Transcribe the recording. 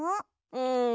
うん。